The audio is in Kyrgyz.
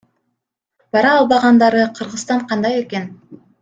Бара албагандары Кыргызстан кандай экен?